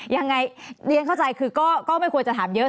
ยังไงเรียนเข้าใจคือก็ไม่ควรจะถามเยอะ